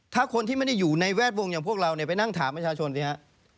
ถ้าคนที่ไม่ได้อยู่ในแวดวงอย่างพวกเราเนี่ยไปนั่งถามประชาชนสิฮะ